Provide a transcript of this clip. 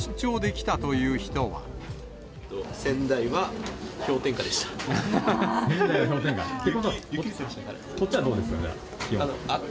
仙台は氷点下でした。